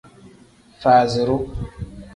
Faaziru.